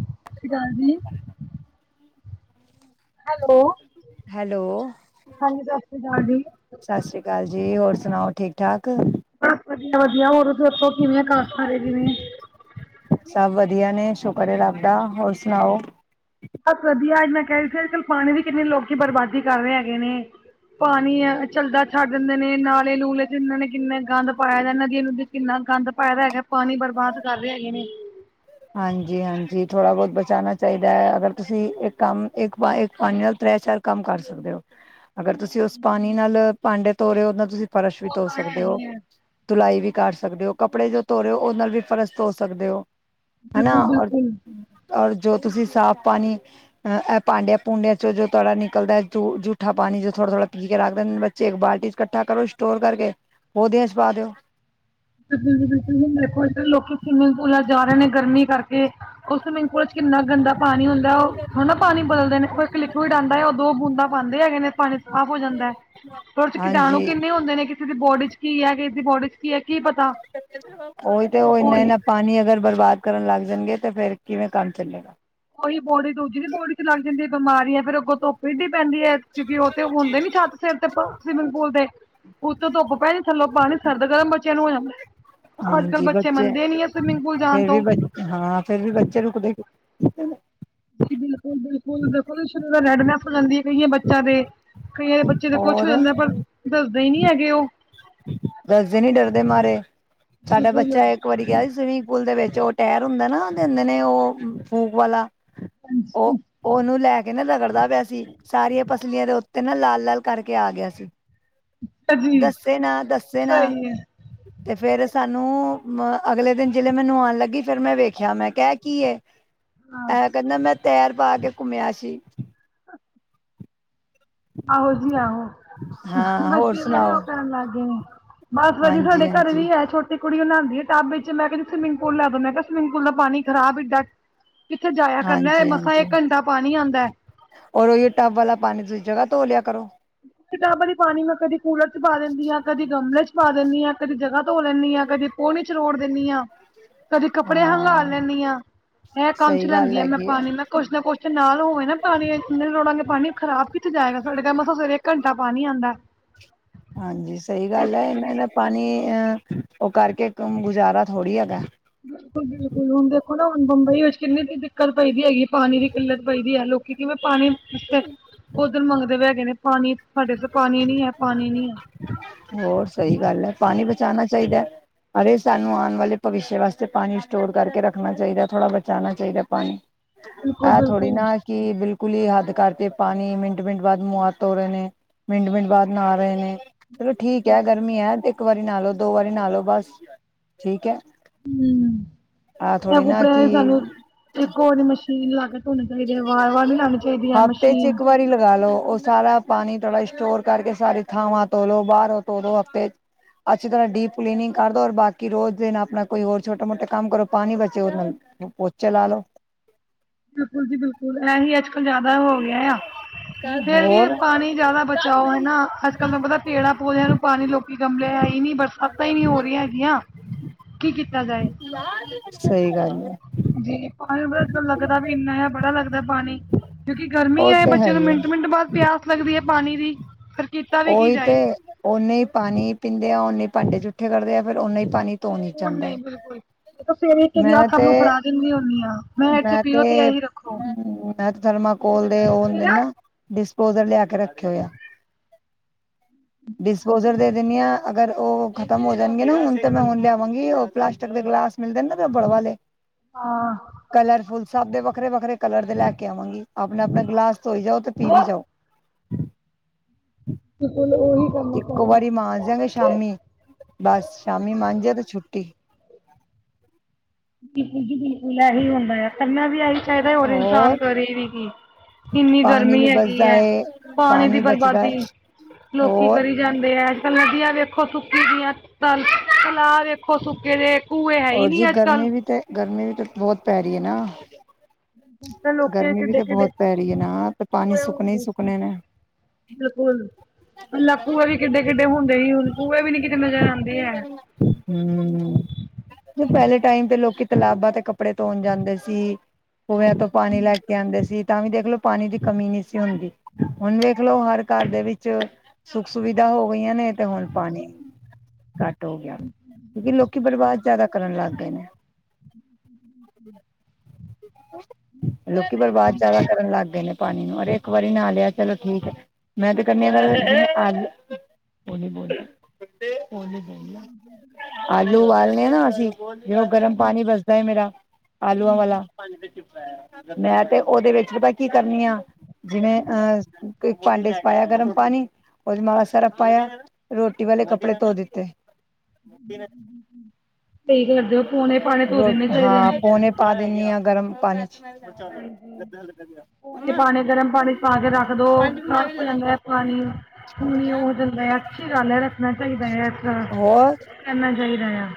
ਸਤਿ ਸ਼੍ਰੀ ਅਕਾਲ ਜੀ। Hello hello. ਹਾਂਜੀ ਸ਼੍ਰੀ ਅਕਾਲ ਜੀ। ਸਤਿ ਸ੍ਰੀ ਅਕਾਲ ਜੀ। ਹੋਰ ਸੁਣਾਓ ਠੀਕ ਠਾਕ। ਬਸ ਵਧੀਆ ਵਧੀਆ ਹੋਰ ਤੁਸੀਂ ਦੱਸੋ ਕਿਵੇਂ ਘਰ ਸਾਰੇ ਜਿਣੇ। ਸਭ ਵਧੀਆ ਨੇ ਸ਼ੁਕਰ ਹੈ ਰੱਬ ਦਾ ਹੋਰ ਸੁਣਾਓ। ਬਸ ਵਧੀਆ ਅੱਜ ਮੈਂ ਕਹਿ ਰਹੀ ਸੀ ਅੱਜ ਕੱਲ ਪਾਣੀ ਦੀ ਕਿੰਨੀ ਲੋਕੀਂ ਬਰਬਾਦੀ ਕਰ ਰਹੇ ਹੈਗੇ ਨੇ। ਪਾਣੀ ਆ ਚੱਲਦਾ ਛੱਡ ਦਿੰਦੇ ਨੇ ਨਾਲੇ ਨੂਲੇ ਤੇ ਇਹਨਾਂ ਨੇ ਕਿੰਨਾ ਗੰਦ ਪਾਇਆ ਨਦੀਆਂ ਨੂੰ। ਕਿੰਨਾ ਗੰਦ ਪਾਇਦਾ ਹੈਗਾ ਪਾਣੀ ਬਰਬਾਦ ਕਰ ਰਹੇ ਹੈਗੇ ਨੇ। ਹਾਂਜੀ, ਹਾਂਜੀ ਥੋੜ੍ਹਾ ਬਹੁਤ ਬਚਾਉਣਾ ਚਾਹੀਦਾ ਹੈ। ਅਗਰ ਤੁਸੀਂ ਇੱਕ ਕੰਮ ਇੱਕ ਪਾ ਇਕ ਪਾਣੀ। ਤ੍ਰੈ ਚਾਰ ਕੰਮ ਕਰ ਸਕਦੇ ਹੋ। ਅਗਰ ਤੁਸੀਂ ਉਸ ਪਾਣੀ ਨਾਲ ਭਾਂਡੇ ਧੋ ਰਹੇ ਹੋ। ਉਹਦੇ ਨਾਲ ਤੁਸੀਂ ਫਰਸ਼ ਵੀ ਉਹ ਧੋ ਤਾਂ ਹੈ ਸਕਦੇ ਹੋ। ਹੀ ਹੈ ਤੁਲਾਈ ਵੀ ਕਰ ਸਕਦੇ ਹੋ। ਕੱਪੜੇ ਜੋ ਧੋ ਰਹੇ ਹੋ। ਉਹ ਨਾਲ ਵੀ ਫਰਸ਼ ਧੋ ਸਕਦੇ ਹੋ। ਹਨਾ ਔਰ ਬਿਲਕੁਲ-ਬਿਲਕੁਲ। ਔਰ ਜੋ ਤੁਸੀਂ ਸਾਫ਼ ਪਾਣੀ। ਐ ਭਾਂਡੇ ਪੂੰਡਿਆਂ ਚੋਂ ਜੋ ਤੁਹਾਡਾ ਨਿਕਲਦਾ ਜੂਠਾ ਪਾਣੀ ਜੋ ਥੋੜਾ ਥੋੜਾ ਪੀ ਕੇ ਰੱਖਦੇ ਨੇ ਬੱਚੇ ਬੱਚੇ ਇੱਕ ਬਾਲਟੀ 'ਚ ਇਕੱਠਾ ਕਰੋ ਸਟੋਰ ਕਰਕੇ ਉਹਦੇ 'ਚ ਪਾ ਦਿਓ। ਬਿਲਕੁਲ ਹੁਣ ਦੇਖੋ ਇੱਥੇ ਲੋਕੀ ਸਵਿਮਿੰਗ ਪੂਲਾਂ 'ਚ ਜਾ ਰਹੇ ਨੇ ਗਰਮੀ ਕਰਕੇ। ਉਹ ਸਵਿਮਿੰਗ ਪੂਲ 'ਚ ਕਿੰਨਾ ਗੰਦਾ ਪਾਣੀ ਹੁੰਦਾ ਉਹ ਥੋੜਣਾ ਪਾਣੀ ਬਦਲਦੇ ਨੇ ਔਹ ਇੱਕ ਲਿਕੁਵਡ ਆਉਂਦਾ ਹੈ ਉਹ ਦੋ ਬੂੰਦਾ ਪਾਉਂਦੇ ਹੈਗੇ ਨੇ ਪਾਣੀ ਸਾਫ਼ ਹੋ ਜਾਂਦਾ ਦੇ ਚ ਕੀਟਾਣੂ ਹਾਂਜੀ ਕਿੰਨੇ ਹੁੰਦੇ ਨੇ ਕਿਸੇ ਦੀ ਬੋਡੀ ਚ ਕੀ ਹੈ ਕਿਸੇ ਦੀ ਬੋਡੀ ਚ ਕੀ ਹੈ। ਕੀ ਪਤਾ ਉਹੀ ਤੇ ਉਹ ਉਹੀ ਇਨਾ-ਇਨਾ ਪਾਣੀ ਅਗਰ ਬਰਬਾਦ ਕਰਨ ਲੱਗ ਜਾਣਗੇ ਤੇ ਫੇਰ ਕਿਵੇਂ ਕੰਮ ਚੱਲੇਗਾ ਉਹੀ ਬੋਡੀ ਦੂਜੀ ਦੀ ਬੋਡੀ ਚ ਲੱਗ ਜਾਂਦੀ ਹੈ ਬਿਮਾਰੀ ਹੈ ਫਿਰ ਅੱਗੋਂ ਧੁੱਪ ਇਡੀ ਪੈਂਦੀ ਹੈ ਕਿਉਂਕਿ ਉਹ ਤੇ ਹੁੰਦੇ ਨੀ ਛੱਤ ਸਿਰ ਤੇ ਸਵਿਮਿੰਗ ਪੂਲ ਦੇ ਉੱਥੋਂ ਧੁੱਪ ਪੈ ਥੱਲੋਂ ਪਾਣੀ ਸਰਦ ਗਰਮ ਬੱਚਿਆਂ ਨੂੰ ਹੋ ਜਾਂਦਾ ਅੱਜ ਕੱਲ੍ਹ ਬੱਚੇ ਮੰਨਦੇ ਨੀ ਹੈ ਸਵੀਮਿੰਗ ਪੂਲ ਜਾਣ ਫੇਰ ਵੀ ਤੋਂ ਬ ਹਾਂ ਫਿਰ ਵੀ ਬੱਚੇ ਰੁਕਦੇ ਨੀ ਜੀ ਬਿਲਕੁਲ-ਬਿਲਕੁਲ ਦੇਖੋ ਸ਼ੁਰੂ ਰੈਡ ਨੇਸ ਹੋ ਜਾਂਦੀ ਹੈ ਕਈਆਂ ਬੱਚਿਆਂ ਦੇ ਕਈਆਂ ਦੇ ਬੱਚੇ ਤੇ ਕੁਛ ਹੋ ਹੋਰ ਜਾਂਦਾ ਪਰ ਦੱਸਦੇ ਹੀ ਨਹੀਂ ਹੈਗੇ ਉਹ ਦੱਸਦੇ ਨੀ ਡਰਦੇ ਮਾਰੇ ਸਾਡਾ ਬਿਲਕੁਲ ਬੱਚਾ ਇੱਕ ਇੱਕ ਵਾਰੀ ਗਿਆ ਸੀ ਸਵਿਮਿੰਗ ਪੂਲ ਦੇ ਵਿੱਚ ਉਹ ਟਾਇਰ ਹੁੰਦਾ ਨਾ ਉਹ ਦਿੰਦੇ ਨੇ ਉਹ ਫੂਕ ਵਾਲਾ। ਹਾਂਜੀ। ਉਹ ਉਹਨੂੰ ਲੈ ਕੇ ਨਾ ਰਗੜਦਾ ਪਿਆ ਸੀ ਸਾਰੀਆਂ ਪਸਲੀਆਂ ਦੇ ਉੱਤੇ ਨਾ ਲਾਲ ਲਾਲ ਕਰਕੇ ਆ ਗਿਆ ਸੀ। ਅਛਾ ਜੀ। ਦੱਸੇ ਨਾ ਦੱਸੇ ਨਾ। ਸਹੀ ਹੈ ਤੇ ਫਿਰ ਸਾਨੂੰ ਅ ਅਗਲੇ ਦਿਨ ਜਿਹਲੇ ਮੈ ਨਹਾਉਣ ਲੱਗੀ ਫਿਰ ਮੈਂ ਵੇਖ ਵੇਖਿਆ ਮੈਂ ਕਿਹਾ ਐ ਕੀ ਏ ਹਾਂ ਐ ਕਹਿੰਦਾ ਮੈਂ ਟਾਇਰ ਪਾ ਕੇ ਘੁੰਮਿਆ ਸੀ। ਅੱਛਾ। ਆਹੋ ਜੀ ਆਹੋ ਹਾਂ ਹੋਰ ਬੱਚੇ ਬੜੇ ਸੁਣਾਓ ਉਹ ਕਰਨ ਲੱਗ ਗਏ ਨੇ। ਬਸ ਵਧੀਆ ਹਾਂਜੀ ਸਾਡੇ ਘਰ ਹਾਂਜੀ ਵੀ ਹੈ ਛੋਟੇ। ਤੇ ਕੁੜੀ ਨਹਾਉਂਦੀ ਹੈ ਟੱਬ ਵਿੱਚ ਮੈਂਨੂੰ ਕਹਿੰਦੀ ਸਵਿਮਿੰਗ ਪੂਲ ਲੈ ਜੋ ਮੈਂ ਕਿਹਾ ਸਵਿਮਿੰਗ ਪੂਲ ਦਾ ਪਾਣੀ ਖਰਾਬ ਇੱਡਾ। ਕਿੱਥੇ ਜਾਇਆ ਕਰਨਾ ਹਾਂਜੀ ਮਸਾਂ ਹਾਂਜੀ ਇੱਕ ਘੰਟਾ ਪਾਣੀ ਆਉਂਦਾ ਹੈ। ਔਰ ਉਹੀ ਟੱਬ ਵਾਲਾ ਪਾਣੀ ਤੁਸੀਂ ਜਗ੍ਹਾ ਤੋਂ ਲਿਆ ਕਰੋ। ਟਬ ਵਾਲੀ ਪਾਣੀ ਮੈਂ ਕਦੀ ਕੂਲਰ ਚ ਪਾ ਦਿੰਦੀ ਹਾਂ ਕਦੀ ਗਮਲੇ ਚ ਪਾ ਦਿੰਦੀ ਹਾਂ ਕਦੇ ਜਗ੍ਹਾ ਧੋ ਲੈਂਦੀ ਹਾਂ ਕਦੇ ਪੋੜੀ ਚ ਰੋੜ ਦਿੰਦੀ ਹਾਂ ਕਦੀ ਕੱਪੜੇ ਹਾਂ ਹੰਘਾਲ ਲੈਂਦੀ ਹਾਂ ਇਹ ਕੰਮ ਚ ਸਹੀ ਗੱਲ ਲੈਂਦੀ ਆ ਮੈਂ ਹੈਗੀ ਹੈ ਪਾਣੀ ਮੈਂ ਕੁਛ ਨਾ ਕੁਛ ਤੇ ਨਾਲ ਹੋਵੇ ਨਾ ਪਾਣੀ ਰੋੜਾਂਗੇ ਪਾਣੀ ਖ਼ਰਾਬ ਕਿਤੇ ਜਾਏਗਾ ਸਾਡੇ ਘਰ ਸਵੇਰੇ ਘੰਟਾ ਪਾਣੀ ਆਂਦਾ। ਹਾਂਜੀ ਸਹੀ ਗੱਲ ਹੈ ਇਹਨਾਂ ਦਾ ਪਾਣੀ ਅ ਉਹ ਕਰਕੇ ਗੁਜ਼ਾਰਾ ਥੋੜ੍ਹੀ ਹੈਗਾ। ਬਿਲਕੁਲ-ਬਿਲਕੁਲ ਹੁਣ ਦੇਖੋ ਨਾ ਹੁਣ ਮੁੰਬਈ ਵਿੱਚ ਕਿੰਨੀ ਦਿੱਕਤ ਪਈ ਦੀ ਹੈਗੀ ਪਾਣੀ ਦੀ ਕਿੱਲਤ ਪਈ ਦੀ ਹੈ ਲੋਕ ਲੋਕੀ ਕਿਵੇਂ ਪਾਣੀ ਉੱਧਰ ਮੰਗਦੇ ਵੀ ਹੈਗੇ ਨੇ ਪਾਣੀ ਸਾਡੇ ਤੇ ਪਾਣੀ ਨੀ ਹੈ ਪਾਣੀ ਨੀ ਐ। ਹੋਰ ਸਹੀ ਗੱਲ ਹੈ ਪਾਣੀ ਬਚਾਣਾ ਚਾਹੀਦਾ, ਅਰੇ ਸਾਨੂੰ ਆਣ ਵਾਲੇ ਭਵਿੱਸ਼ੇ ਵਾਸਤੇ ਪਾਣੀ ਸਟੋਰ ਕਰਕੇ ਰੱਖਣਾ ਚਾਹੀਦਾ ਥੋੜ੍ਹਾ ਬਚਾਣਾ ਚਾਹੀਦਾ ਪਾਣੀ। ਬਿਲਕੁਲ ਐ ਥੋੜੀ ਬਿਲਕੁਲ ਨਾ ਕਈ ਬਿਲਕੁਲ ਹੀ ਹੱਦ ਕਰਦੇ ਪਾਣੀ ਮਿੰਟ-ਮਿੰਟ ਬਾਅਦ ਮੂੰਹ ਹੱਥ ਤੋ ਰਹੇ ਨੇ ਮਿੰਟ-ਮਿੰਟ ਬਾਅਦ ਨਹਾ ਰਹੇ ਨੇ, ਚਲੋ ਠੀਕ ਹੈ ਗਰਮੀ ਹੈ ਤੇ ਇੱਕ ਵਾਰੀ ਨ੍ਹਾਲੋ ਦੋ ਵਾਰੀ ਨ੍ਹਾਲੋ ਬਸ, ਠੀਕ ਏ। ਹੂੰ, ਐ ਨਾ ਕਪੜਿਆਂ ਦਾ ਵੀ ਸਾਨੂੰ ਕਿ ਇੱਕ ਉਹ ਜਿਹੜੀ ਮਸ਼ੀਨ ਲਾ ਕੇ ਧੋਣੇ ਚਾਹੀਦੇ ਹੈ ਵਾਰ-ਵਾਰ ਨਹੀਂ ਲਾਣੀ ਚਾਹੀਦੀ ਐ ਮਸ਼ੀਨ। ਲਾ ਲਓ ਉਹ ਸਾਰਾ ਪਾਣੀ ਥੋੜ੍ਹਾ ਸਟੋਰ ਕਰਕੇ ਸਾਰੀ ਥਾਵਾਂ ਧੋ ਲੋ, ਬਾਹਰੋਂ ਧੋ ਲੋ ਹਫ਼ਤੇ ਅੱਛੀ ਤਰ੍ਹਾਂ ਡੀਪ ਕਲੀਨਿੰਗ ਕਰਦੋ ਔਰ ਬਾਕੀ ਰੋਜ਼ ਦੇ ਨਾਲ ਆਪਣਾ ਕੋਈ ਹੋਰ ਛੋਟਾ-ਮੋਟਾ ਕੰਮ ਕਰੋ ਪਾਣੀ ਬਚੇ ਉਹਦੇ ਨਾਲ, ਪੋਚਾ ਲਾ ਲੋ। ਤੁਸੀਂ ਬਿਲਕੁਲ ਇਹੀ ਏ ਜਿਆਦਾ ਹੋ ਗਿਆ ਆ, ਫੇਰ ਵੀ ਹੋਰ ਪਾਣੀ ਜਿਆਦਾ ਬਚਾਓ ਹੈਨਾ ਅੱਜ ਕੱਲ ਨੂੰ ਪਤਾ ਪੇੜਾਂ ਪੌਦਿਆਂ ਨੂੰ ਪਾਣੀ ਲੋਕੀ ਗਮਲੇ ਹੈ ਈ ਨੀ ਬਰਸਾਤਾਂ ਹੀ ਨਹੀਂ ਹੋ ਰਹੀਆਂ ਹੈਗੀਆਂ। ਕੀ ਕੀਤਾ ਜਾਏ, ਸਹੀ ਗੱਲ ਹੈ ਜੀ ਪਾਨੀ ਲੱਗਦਾ ਵੀ ਇੰਨਾ ਹੈ ਬੜਾ ਲੱਗਦਾ ਪਾਣੀ, ਕਿਉਂਕਿ ਗਰਮੀ ਉਹ ਆ ਤੇ ਹੈ ਬੱਚਿਆਂ ਨੂੰ ਹੀ ਹੈ ਮਿੰਟ-ਮਿੰਟ ਬਾਅਦ ਪਿਆਸ ਲੱਗਦੀ ਹੈ ਪਾਣੀ ਦੀ। ਕੀਤਾ ਵੀ ਕੀ ਉਹੀ ਜਾਏ। ਤੇ, ਉਹਨਾਂ ਹੀ ਪਾਣੀ ਪੀਂਦੇ ਆ ਉਹਨੇ ਈ ਭਾਂਡੇ ਜੂਠੇ ਕਰਦੇ ਆ ਫਿਰ ਉਹਨਾਂ ਹੀ ਪਾਣੀ ਧੋ ਨੀ ਹੁਣ ਜਾਂਦਾ ਹੈ ਨਹੀਂ ਬਿਲਕੁਲ, ਫੇਰ ਇੱਕ ਗਲਾਸ ਮੈਂ ਤੇ ਸਾਨੂੰ ਫੜਾ ਦਿੰਦੀ ਹੁੰਨੀ ਆ ਮੈਂ ਇੱਥੇ ਪੀਓ ਤੇ ਇਹੀ ਰੱਖੋ। ਹੂੰ ਮੈਂ ਤੇ ਥਰਮਾਕੋਲ ਦੇ ਉਹ ਹੁੰਦੇ ਤੇਰਾ ਨਾ, ਡਿਸਪੋਜਲ ਲਿਆ ਕੇ ਰੱਖੇ ਹੋ ਆ। ਡਿਸਪੋਜਲ ਦੇ ਦਿੰਨੀ ਆ। ਅਗਰ ਉਹ ਖਤਮ ਹੋ ਜਾਣਗੇ ਨਾ ਹੁਣ ਤਾਂ ਮੈਂ ਹੁਣ ਲਿਆਵਾਂਗੀ ਉਹ ਪਲਾਸਟਿਕ ਦੇ ਗਲਾਸ ਮਿਲਦੇ ਨਾ ਤਾਂ ਬੜਵਾਲੇ। [inaudible] ਹਾਂ ਕਲਰ ਫੁੱਲ ਸਭ ਦੇ ਵੱਖਰੇ-ਵੱਖਰੇ ਕਲਰ ਦੇ ਲੈ ਕੇ ਆਵਾਂਗੀ, ਆਪਣਾ-ਆਪਣਾ ਗਲਾਸ ਧੋਈ ਜਾਓ ਤੇ ਪੀ ਵੀ ਜਾਓ। ਬਿਲਕੁਲ ਉਹੀ ਇੱਕੋ ਵਾਰੀ ਮਾਂਜ ਦਿਆਗੇ ਸ਼ਾਮੀ, ਬਸ ਸ਼ਾਮੀ ਮਾਂਜੇ ਤੇ ਛੁੱਟੀ। ਬਿਲਕੁਲ ਜੀ ਬਿਲਕੁਲ ਇਹੀ ਹੁੰਦਾ ਹੈ ਕਰਨਾ ਵੀ ਇਹੀ ਚਾਹੀਦਾ ਔਰ ਇਨਸਾਨ ਹੋਰ ਕਰੇ ਵੀ ਕੀ। ਇੰਨੀ ਪਾਣੀ ਗਰਮੀ ਵੀ ਹੈਗੀ ਬਚਦਾ ਏ ਪਾਣੀ ਦੀ ਬਚਦਾ ਹੈ ਬਰਬਾਦੀ, ਲੋਕੀ ਹੋਰ ਕਰੀ ਜਾਂਦੇ ਐ ਅੱਜ-ਕੱਲ ਨਦੀਆਂ ਵੇਖੋ ਸੁੱਕੀ ਦੀਆਂ ਤ ਤਲਾ ਵੇਖੋ ਸੁੱਕੇ ਦੇ ਕੂਏ ਹੈ ਹੀ ਔਰ ਜੀ ਨੀ ਅੱਜ ਗਰਮੀ ਕੱਲ ਵੀ ਤਾਂ ਗਰਮੀ ਵੀ ਬਹੁਤ ਪੈ ਰਹੀ ਹੈ ਨਾ। ਲੋਕੀ ਗਰਮੀ ਵੀ ਤੇ ਕਿੱਡੇ-ਕਿੱਡੇ, ਬਹੁਤ ਪੈ ਰਹੀ ਹੈ ਨਾ ਤੇ ਪਾਣੀ [unintelligible] ਸੁੱਕਣੇ ਹੀ ਦੇ ਸੀ। ਸੁੱਕਣੇ ਨੇ। ਬਿਲਕੁਲ। ਪਹਿਲਾਂ ਖੂਹੇ ਵੀ ਕਿੱਡੇ-ਕਿੱਡੇ ਹੁੰਦੇ ਸੀ ਹੁਣ ਖੂਹੇ ਵੀ ਨੀ ਕਿਤੇ ਨਜ਼ਰ ਆਂਦੇ ਹੈ। ਹੂੰ ਪਹਿਲੇ ਟਾਈਮ ਤੇ ਲੋਕੀ ਤਲਾਬਾਂ ਤੇ ਕੱਪੜੇ ਧੋਣ ਜਾਂਦੇ ਸੀ, ਕੂਇਆਂ ਤੋਂ ਪਾਣੀ ਲੈ ਕੇ ਆਂਦੇ ਸੀ ਤਾਂ ਵੀ ਦੇਖ। ਲੋ ਪਾਣੀ ਦੀ ਕਮੀ ਨਹੀਂ ਸੀ ਹੁੰਦੀ। ਹੁਣ ਵੇਖ ਲੋ ਹਰ ਘਰ ਦੇ ਵਿੱਚ ਸੁੱਖ ਸੁਵਿਧਾ ਹੋ ਗਈਆਂ ਨੇ ਤੇ ਹੁਣ ਪਾਣੀ ਘੱਟ ਹੋ ਗਿਆ। ਕਿਉਂਕਿ ਲੋਕੀ ਬਰਬਾਦ ਜਿਆਦਾ ਕਰਨ ਲੱਗ ਗਏ ਨੇ। [inaudible] ਲੋਕੀ ਬਰਬਾਦ ਜਿਆਦਾ ਕਰਨ ਲੱਗ ਗਏ ਨੇ। ਪਾਣੀ ਨੂੰ ਔਰ ਇੱਕ ਵਾਰੀ ਨਾ ਲਿਆ ਚਲੋ ਠੀਕ ਹੈ, ਮੈਂ ਤੇ ਕਹਿਨੀ ਆ ਹੋਲੀ ਬੋਲੋ, ਹੋਲੀ ਬੋਲੋ। ਆਲੂ ਉਾਲਣੇ ਆ ਨਾ ਅਸੀਂ ਜ ਗਰਮ ਪਾਣੀ ਵਜਦਾ ਮੇਰਾ। ਆਲੂਆਂ ਵਾਲਾ। ਮੈਂ ਤੇ ਉਹਦੇ ਵਿੱਚ ਭ ਕੀ ਕਰਨੀ ਆ। ਜਿਵੇਂ ਅਹ ਇੱਕ ਭਾਂਡੇ ਚ ਪਾਇਆ। ਗਰਮ ਪਾਣੀ ਉਹਦੇ ਮਾ ਸਰਫ ਪਾਇਆ। ਰੋਟੀ ਵਾਲੇ ਕੱਪੜੇ ਧੋ ਦਿੱਤੇ। ਸਹੀ ਕਰਦੇ ਹੋ ਪੋਣੇ ਪਾਣੇ ਧੋ ਰੋ ਦੇਣੇ ਚਾਹੀਦੇ ਹਾਂ ਨੇ ਪੋਣੇ। ਪਾ ਦਿੰਣੀ ਹਾਂ ਗਰਮ ਪਾਣੀ। ਕੋਨੇ ਮੰਮਾ ਪਾਣੇ ਗਰਮ ਪਾਣੀ ਚ ਪਾ ਕੇ ਰੱਖ ਦੋ ਪੰਜੈਂ ਸਾਫ਼ ਵੀ। ਹੋ ਜਾਂਦਾ ਪਾਣੀੂਣੀ ਹੋ ਜਾਂਦਾ ਹੈ। ਅੱਛੀ ਗੱਲ ਹੈ ਰੱਖਣਾ ਚਾਹੀਦਾ ਹੈ। ਇਸ ਹੋਰ ਕਰਨਾ ਚਾਹੀਦਾ ਆ।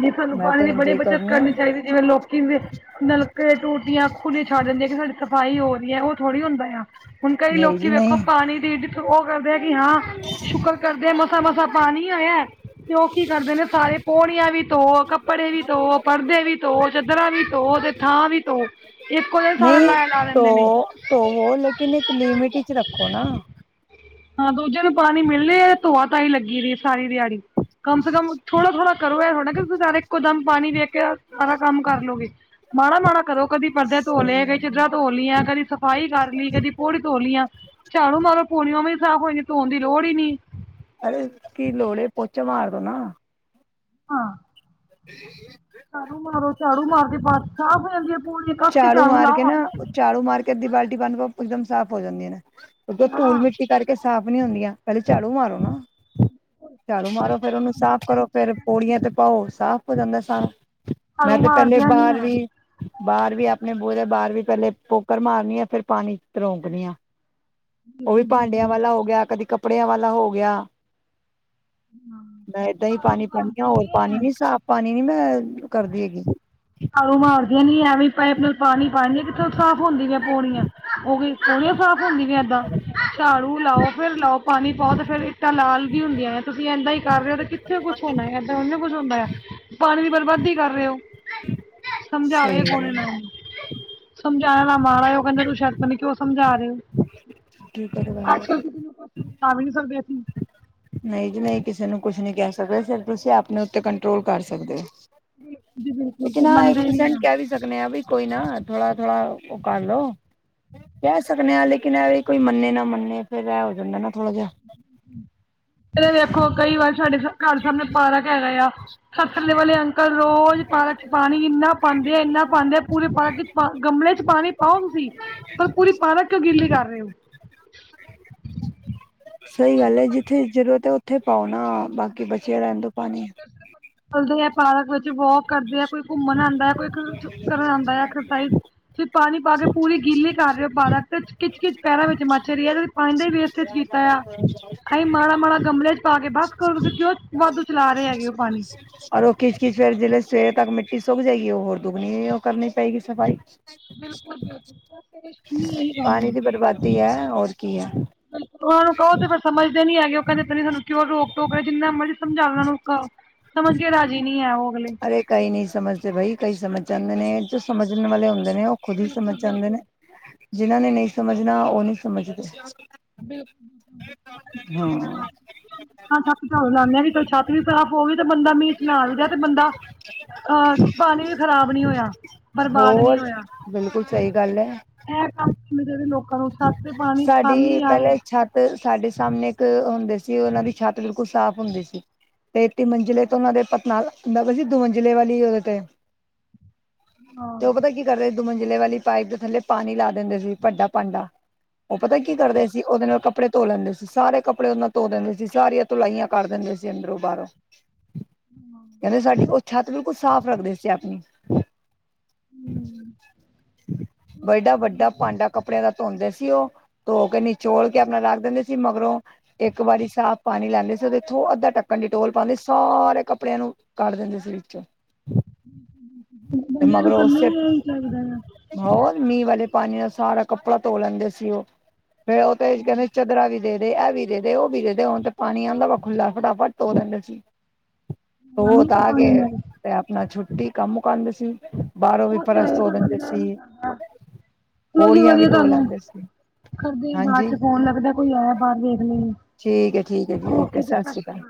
ਜ ਸਾਨੂੰ ਮੈਂ ਪਾਣੀ ਤਾਂ ਦੀ ਬੜੀ ਇੰਜੋਏ ਬੱਚਤ ਆ ਕਰਨੀ ਚਾਹੀਦੀ। ਜਿਵੇਂ ਲੋਕੀ ਦੇ ਨਲਕੇ, ਟੂਟੀਆਂ ਖੁੱਲੀਆਂ ਛੱਡ ਦਿੰਦੇਆਂ। ਕਿ ਸਾਡੀ ਸਫ਼ਾਈ ਹੋ ਰਹੀ ਹੈ। ਉਹ ਥੋੜ੍ਹੀ ਹੁੰਦਾ ਆ। ਹੁਣ ਕਈ ਨਹੀਂ ਲੋਕੀ ਜੀ ਵੇਖੋ ਨਹੀਂ ਪਾਣੀ ਦੀ ਉਹ ਕਰਦੇ ਆ। ਕਿ ਹਾਂ ਸ਼ੁਕਰ ਕਰਦੇ ਆ। ਮਸਾਂ ਮਸਾਂ ਪਾਣੀ ਹੋਇਆ। ਉਹ ਕੀ ਕਰਦੇ ਨੇ। ਸਾਰੇ ਪੋਣੀਆਂ ਵੀ ਧੋ ਕੱਪੜੇ ਵੀ ਧੋ ਪਰਦੇ ਵੀ ਧੋ ਚਾਦਰਾਂ ਵੀ ਧੋ ਥਾਂ ਵੀ ਤੋ। ਇੱਕੋ ਦਿਨ ਸਾਰਾ ਨਹੀਂ ਲਾਇਆ ਲਾ ਦਿੰਦੇ ਨੇ। ਧੋ ਧੋਵੋ ਲੇਕਿਨ ਇੱਕ ਲਿਮਿਟ ਵਿਚ ਰੱਖੋ ਨਾ। ਹਾਂ ਦੋਜੇ ਨੂੰ ਪਾਣੀ ਮਿਲਲੇ ਆ। ਤੇ ਧੋਆ ਤਾਂ ਹੀ ਲੱਗੀ ਰ ਸਾਰੀ ਦਿਹਾੜੀ ਕਮ ਸੇ ਕਮ ਥੋੜਾ ਥੋੜਾ। ਕਰੋ ਇਹਥਣਾ ਕਿਸੀਂ ਸਾਰੇ ਇੱਕੋ ਦਮ ਪਾਣੀ ਦੇ ਕੇ ਸਾਰਾ ਕੰਮ ਕਰ ਲੋਗੇ ਮਾੜਾ ਮਾੜਾ ਕਰੋ ਦੀ ਪਰਦੇ ਧੋ ਸਹੀ ਲਏਈ ਗੱਲ ਹੈ ਚਿੱਧਰਾਂ ਧੋ। ਦੀਆ ਕਦੀ ਸਫ਼ਾਈ ਕਰ ਲਈ। ਕਦੀ ਪੌੜੀ ਧੋ ਲਈਆਂ ਝਾੜੂ ਮਾਰੋ ਪੋਣੀਆਂ ਵੀ ਕੋਈ ਧੋਣ ਦੀ ਲੋੜ ਹੀ ਨੀ। ਅਰੇ ਕੀ ਲੋਹੜੇ ਪੋਚੇ ਮਾਰਦੋ ਨਾ। ਹਾਂ ਹ ਝਾੜੂ ਮਾਰੋ ਝਾੜੂ ਮਾਰ ਫਰਸ਼ ਸਾਫ ਹੋ ਜਾਦੀ ਆ। ਚਾੜੂ ਮਾਰ ਕੇ ਨਾ। ਝਾੜੂ ਮਾਰ ਕੇਟ ਦੀ ਬਾਲਟੀ ਬੰਨ ਇੱਕਦਮ ਸਾਫ਼ ਹੋ ਜਾਂਦੀਆਂ। ਨੇ ਉਹ ਹਾਂ ਧੂਲ ਮਿੱਟੀ ਕਰਕੇ। ਸਾਫ਼ ਨੀ ਹੁੰਦੀਆਂ। ਪਹਿਲੇ ਝਾੜੂ ਮਾਰੋ ਨਾ ਝਾੜੂ ਮਾਰੋ ਫੇਰ ਉਹਨੂੰ ਸਾਫ਼ ਕਰੋ ਫਿਰ। ਪੌੜੀਆਂ ਤੇ ਪਾਓ ਸਾਫ਼ ਹੋ ਜਾਂਦਾ ਸਾਂ। ਮੈਂ ਝਾੜੂ ਤੇ ਪਹਿਲੇ ਮਾਰਦੀਆਂ ਨੀ ਬਾਹਾਰ ਹੈ ਵੀ। ਬਾਹਰ ਵੀ ਆਪਣੇ ਬੂ ਦੇ ਬਾਹਰ ਵੀ ਪਹਿਲੇ ਪੋਕਰ ਮਾਰਨੀ ਆ। ਫੇਰ ਪਾਣੀ ਤਰੋਂਕਣੀ ਆ। ਉਹ ਵੀ ਭਾਂਡਿਆਂ ਵਾਲਾ ਹੋ ਗਿਆ। ਕਦੀ ਕੱਪੜਿਆਂ ਵਾਲਾ ਹੋ ਗਿਆ। ਮੈਂ ਏਦਾਂ ਹੀ ਝਾੜੂ ਪਾਣੀ ਪਾਣੀ ਹ ਮਾਰਦੀਆਂ ਹੋਰ ਪਾਣੀ ਹੈ ਨੀ ਸਾਫ਼ ਪਾਣੀ ਨੀ। ਮੈਂ ਕਰਦੀ ਹੈਗੀ। ਹਾਰੂ ਮਾਰਦੀਆਂ ਨੀ ਐਵੇਂ ਪਾਈਪ ਨਾਲ ਪਾਣੀ ਪਾਣੀ ਕਿੱਥੋਂ ਸਾਫ਼ ਹੁੰਦੀਆਂ ਪੌਣੀਆਂ ਉਹ ਵੀ। ਪੋਣੀਆਂ ਸਾਫ਼ ਹੁੰਦੀਆਂ ਏਦਾਂ। ਝਾੜੂ ਲਾਓ ਫੇਰ ਲਾਓ। ਪਾਣੀ ਪਾਓ ਤੇ ਫੇਰ ਤਾਂ ਲਾਲ ਦੀ ਵੀ ਹੁੰਦੀਆਂ ਹੈ। ਤੁਸੀਂ ਇੱਦਾਂ ਹੀ ਕਰ ਰਹੇ ਹੋ। ਕਿੱਥੇ ਕੁਛ ਹੋਣਾ ਹੈ। ਇੱਦਾਂ ਕੁਛ ਹੁੰਦਾ ਆ। ਪਾਣੀ ਦੀ ਬਰਬਾਦੀ ਕਰ ਰਹੇ ਹੋ। ਸਮਝਾਵੇ ਸਹੀ ਕੋਣ ਗੱਲ ਇਹਨਾ ਹੈ ਨੂੰ ਸਮਝਾਣ ਨਾ ਮਾਰਾ ਉਹ ਕਹਿੰਦਾ ਤੂੰ ਛੱਡ ਪਰੇ ਕਿਉਂ ਸਮਝਾ ਰਹੇ ਹੋ ਠੀਕ ਤਹੀ। ਤਾ ਵੀ ਨਹੀਂ ਸਕਦੇ ਅਸੀਂ। ਨਹੀਂ ਜੀ ਨਹੀਂ ਕਿਸੇ ਨੂੰ ਕੁਛ ਨਹੀਂ ਕਹਿ ਸਕਦੇ। ਫਿਰ ਤੁਸੀਂ ਆਪਣੇ ਉੱਤੇ ਕੰਟਰੋਲ ਕਰ ਸਕਦੇ ਆ। ਬਿਲਕੁਲ ਜੀ ਲੇਕਨ ਬਿਲਕੁਲ ਹ ਇੱਕ ਮੰਨਦੇ ਨੀ ਪ੍ਸੈਂਟ ਆ ਕ ਵੀ। ਸਕਦੇ ਹਾਂ। ਵੀ ਕੋਈ ਨਾ ਥੋੜਾ ਥੋੜਾ ਉਹ ਕਰ ਲੋ। ਕਹਿ ਸਕਦੇ ਹਾਂ। ਲੇਕਿਨ ਇਹ ਵੀ ਕੋਈ ਮੰਨੇ ਨਾ ਮੰਨੇ ਫਿਰ ਇਹ ਹੋ ਜਾਂਦਾ ਨਾ ਥੋੜਾ ਜਿਹਾ। ਵੇਖੋ ਕਈ ਵਾਰ ਸਾਡੇ ਘਰ ਸਾਹਮਣੇ ਪਾਰ ਕੇ ਹੈਗਾ ਆ। ਸਥੇ ਵਾਲੇ ਅੰਕਲ ਰੋਜ਼ ਪਾਰਕ ਚ ਪਾਣੀ ਇੰਨਾ ਪਾਉਂਦੇ ਆ, ਇੰਨਾ ਪਾਉਂਦੇ ਆ। ਪੂਰੇ ਪਾਰਕ ਚ ਗਮਲੇ ਚ ਪਾਣੀ ਪਾਓ ਤੁਸੀਂ। ਪਰ ਪੂਰੀ ਪਾਲਕਕ ਗਲੀ ਕਰ ਰਹੇ ਹੋ। ਸਹੀ ਗੱਲ ਹੈ। ਜਿੱਥੇ ਜਰੂਰਤ ਹੈ। ਉੱਥੇ ਪਾਉ ਨਾ। ਬਾਕੀ ਬਚਿਆ ਰਹਿਣ ਤੋਂ ਪਾਣੀ ਚੱਲਦੇ ਹੈ। ਪਾਰਕ ਵਿੱਚ ਵੋਕ ਕਰਦੇ ਹੈ। ਕੋਈ ਘੁੰਮਣ ਆਉਂਦਾ। ਕੋਈ ਆਉਂਦਾ ਹੈ ਐਕਸਰਸਾਈਜ਼। ਤੁਸੀਂ ਪਾਣੀ ਪਾ ਕੇ ਪੂਰੀ ਗਿੱਲੇ ਕਰ ਰਹੇ ਹੋ। ਪੈਰਾ ਤੇ ਖਿੱਚ ਕਿਚ ਪੈਰਾਂ ਵਿੱਚ ਮੱਛ ਰਹੀ ਐ। ਪਾਣੀ ਦਾ ਵੇਸਟਜ਼ ਕੀਤਾ ਆ। ਅਸੀਂ ਮਾੜਾ ਮਾੜਾ ਗਮਲੇ ਚ ਪਾ ਕੇ ਬਸ ਤੁਸੀਂ ਕਿਉਂ। ਵਾਧੂ ਚਲਾ ਰਹੇ ਹੈਗੇ ਉਹ ਪਾਣੀ। ਔਰ ਉਹ ਕਿਚਕਚ ਫਿਰ ਜਿਹੜੀ ਸਵੇਰੇ ਤੱਕ ਮਿੱਟੀ ਸੁਗ ਜਾਏਗੀ, ਉਹ ਹੋਰ ਦੁੱਗਣੀ ਉਹ ਕਰਨੀ ਪਏਗੀ ਸਫ਼ਾਈ। ਬਿਲਕੁਲ ਬਿਲਕੁਲ ਸਰ। [inaudible] ਪਾਣੀ ਦੀ ਬਰਬਾਦੀ ਹੈ। ਹੋਰ ਕੀ ਹੈ। ਉਹਨਾਂ ਨੂੰ ਕਹੋ ਤੇ ਫਿਰ ਸਮਝਦੇ ਨੀ ਹੈਗੇ। ਉਹ ਕਹਿੰਦੇ ਪਤਾ ਨਹੀਂ ਸਾਨੂੰ ਕਿਉਂ ਰੋਕ ਟੋਕਰਾ ਜਿੰਨਾ ਮਰਜ਼ੀ ਸਮਝਾਣਾ ਉ‌ਹ‌ਨਾ ਨੂੰ ਸਮਝ ਕੇ ਰਾਜੀ ਨਹੀ ਹੈ ਉਹ ਅਗਲੇ ਕਈ ਨਹੀਂ ਸਮਝਦੇ ਬਾਈ, ਕਈ ਸਮਝ ਜਾਂਦੇ ਨੇ। ਜੋ ਸਮਝਣ ਵਾਲੇ ਹੁੰਦੇ ਨੇ ਉਹ ਖੁਦ ਹੀ ਸਮਝ ਆਦੇ ਨੇ। ਜਿਨਾਂ ਨੇ ਨਹੀਂ ਸਮਝਣਾ ਉਹ ਨਹੀਂ ਸਮਝਦੇ। ਬਿਲਕੁਲ ਹਾਂ ਹਾਂ ਛਤਾ ਲਾਉਦੇ ਹਾ ਕਿ ਛੱਤ ਵੀ ਖਰਾ ਹੋ ਗਈ ਤੇ ਬੰਦਾ ਮੀਂਚ ਨਾ ਆ ਗਿਆ ਤੇ ਬੰਦਾ ਅਹ ਪਾਣੀ ਵੀ ਖ਼ਰਾਬ ਨੀ ਹੋਇਆ, ਬਰਬਾਦ ਨੀ ਹੋਰ ਹੋਇਆ। ਬਿਲਕੁਲ ਸਹੀ ਗੱਲ ਹੈ। ਇਹ ਕੰਮ ਕਰਨੇ ਚਾ‌‌ਹੀਦੇ ਲੋਕਾਂ ਨੂੰ ਛੱਤ ਤੇ ਪਾਣੀ ‌ਕੰਮ ਸਾਡੀ ਹੀ ਆਏ। ਪਹਿਲੇ ਛੱਤ ਸਾਡੇ ਸਾਹਮਣੇ ਇੱਕ ਹੁੰਦੇ ਸੀ। ਉਹਨਾਂ ਦੀ ਛੱਤ ਬਿਲਕੁਲ ਸਾਫ਼ ਹੁੰਦੀ ਸੀ। ਤੇ ਤਿ ਮੰਜ਼ਿਲਲੇ ਤੋਂ ਉਹਨਾਂ ਦੇ ਪਤ ਨਾਲ ਹੁੰਦਾ ਸੀ। ਦੋਵੰਜ਼ਿਲਲੇ ਵਾਲੀ ਉਹਦੇ ਤੇ ਹਾਂ ਤੇ ਉਹ ਪਤਾ ਕੀ ਕਰਦੇ ਮੰਜਿਲੇ ਵਾਲੀ ਪਾਈਪ ਦੇ ਥੱਲੇ ਪਾਣੀ ਲਾ ਦਿੰਦੇ ਸੀ, ਭੱਡਾ ਭਾਂਡਾ ਉਹ ਪਤਾ ਕੀ ਕਰਦੇ ਸੀ। ਉਹਦੇ ਨਾਲ ਕੱਪੜੇ ਧੋ ਲੈਂਦੇ ਸੀ। ਸਾਰੇ ਕੱਪੜੇ ਉਹਦੇ ਨਾਲ ਧੋ ਦਿੰਦੇ ਸੀ। ਸਾਰੀਆਂ ਧੁਲਾਈਆਂ ਕਰ ਦਿੰਦੇ ਸੀ ਅੰਦਰੋਂ ਬਾਹਰੋਂ। ਹਮ ਕਹਿੰਦੇ ਸਾਡੀ, ਉਹ ਛੱਤ ਬਿਲਕੁਲ ਸਾਫ਼ ਰੱਖਦੇ ਸੀ ਆਪਣੀ ਵੱਡਾ ਵੱਡਾ ਭਾਂਡਾ ਕੱਪੜਿਆਂ ਦਾ ਧੋਂਦੇ ਸੀ। ਸੀ ਉਹ ਤੇ ਉਹ ਕਹਿੰਦੀ ਚੋਲ ਕੇ ਆਪਣਾ ਰੱਖ ਦਿੰਦੇ ਸੀ ਮਗਰੋਂ ਇੱਕ ਵਾਰੀ ਸਾਫ਼ ਪਾਣੀ ਲੈਂਦੇ ਸੀ, ਉਹਦੇ ਇਥੋਂ ਅੱਧਾ ਢੱਕਣ ‌ਡੀਟੋਲ ਪਾਉਂਦੇ ਸੀ, ਸਾਰੇ ਕੱਪੜਿਆਂ ਨੂੰ ਕੱਢ ਦਿੰਦੇ ਸੀ ਵਿੱਚ। ਬੰਦਿਆਂ ਨੂੰ ਮਗਰੋਂ ਕਰਨਾ ਉਸੇ ਹੀ ਇ‌ਹੀ ‌‌ਚਾਹੀਦਾ ਆ। ਹੋਰ ਮੀਂਹ ਵਾਲੇ ਪਾਣੀ ਨਾਲ ਸਾਰਾ ਕੱਪੜਾ ਧੋ ਲੈਂਦੇ ਸੀ ਉਹ ਫੇਰ ਉਹ ਤਾਂ ਹੀ ਕਹਿੰਦੇ ਚਦਰਾ ਵੀ ਦੇਈ। ਇਹ ਵੀ ਦੇਦੇ ਉਹ ਵੀ ਦੇਦੇ ਹੁਣ ਤੇ ਪਾਣੀ ਆਉਂਦਾ ਵਾ ਖੁੱਲਾ, ਫਟਾਫਟ ਤੋ ਦਿੰਦੇ ਸੀ। ਉਹ ਪਾਣੀ ਤਾਂ ਤੇ ਆ ਪਾਣੀ ਗਏ ਨਾਲ ਤੇ ਆਪਣਾ ਛੁੱਟੀ ਕੰਮ ਮੁਕਾਂਦੇ ਸੀ। ਬਾਹਰੋਂ ਵੀ ਉਹ ਤੇ, ਫਰਸ਼ ਧੋ ਵੈਸੇ ਦਿੰਦੇ ਬੰਦਾ ਸੀ ਗੰਦਾ ਚਲੋ ਜੀ ਪੌੜੀਆਂ ਵੀ ਵਧੀਆ ਧੋ ਕੰਮ ਆ ਲੈਂਦੇ ਸੀ ਕਰਦੇ ਆ ਬਾਅਦ ਹਾਂਜੀ ਚ ਫੋਨ ਲੱਗਦਾ ਕੋਈ ਆਇਆ ਬਾਹਰ। ਲਈਏ ਠੀਕ ਹੈ ਠੀਕ ਹੈ ਜੀ। ਓਕੇ ਸਤਿ ਸ਼੍ਰੀ ਅਕਾਲ।